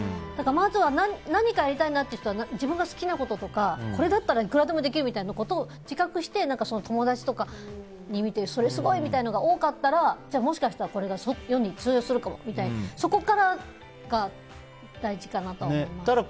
だから、まずは何かやりたいなという人は自分が好きなこととかこれだったらいくらでもできるみたいなことを自覚して友達とかに見てもらってそれ、すごい！みたいなのが多かったらもしかしたら、これが世の中に通用するかもみたいなそこからが大事かなとは思います。